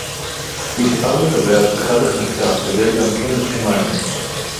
מספר מקבלי הבטחת הכנסה גדל גם כן לשמים